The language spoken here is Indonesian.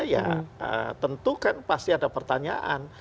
ya tentu kan pasti ada pertanyaan